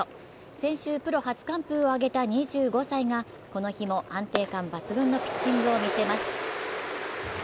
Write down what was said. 先週、プロ初完封を挙げた２５歳がこの日も安定感抜群のピッチングを見せます。